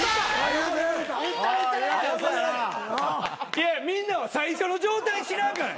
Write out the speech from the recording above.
いやみんなは最初の状態知らんから。